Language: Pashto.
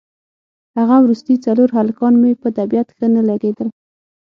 هغه وروستي څلور هلکان مې په طبیعت ښه نه لګېدل.